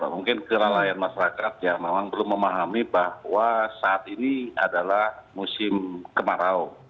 mungkin kelalaian masyarakat ya memang belum memahami bahwa saat ini adalah musim kemarau